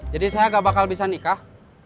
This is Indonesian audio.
jadi saya enggak bakal bisa nikah